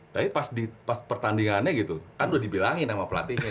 tapi pas pertandingannya gitu kan udah dibilangin sama pelatih